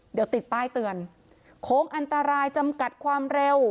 เดี๋ยวติดป้ายเตือนโค้งอันตรายจำกัดความเร็ว